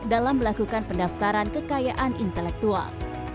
dalam melakukan pendaftaran kekayaan intelektual